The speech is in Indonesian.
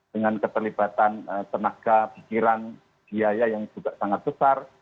dengan keterlibatan tenaga pikiran biaya yang juga sangat besar